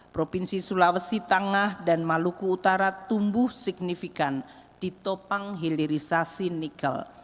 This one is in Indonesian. provinsi sulawesi tengah dan maluku utara tumbuh signifikan ditopang hilirisasi nikel